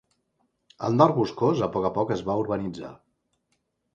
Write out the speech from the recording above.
El nord boscós a poc a poc es va urbanitzar.